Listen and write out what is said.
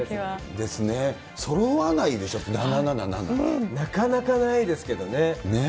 ですね、そろわないでしょ、なかなかないですけどね。